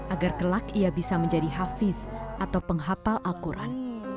agar kelak ia bisa menjadi hafiz atau penghapal al quran